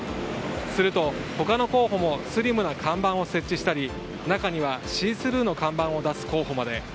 すると、他の候補もスリムな看板を設置したり中にはシースルーの看板を出す候補まで。